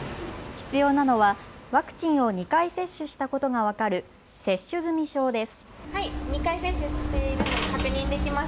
必要なのはワクチンを２回接種したことが分かる接種済証です。